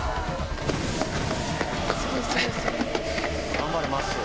頑張れまっすー！